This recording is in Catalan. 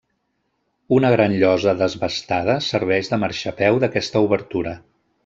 Una gran llosa desbastada serveix de marxapeu d'aquesta obertura.